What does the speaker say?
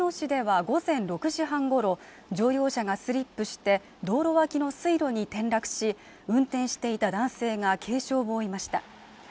東京・武蔵野市では午前６時半ごろ乗用車がスリップして道路脇の水路に転落し運転していた男性が軽傷を負いました